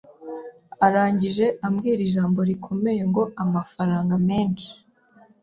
Arangije ambwira ijambo rikomeye ngo amafaranga menshi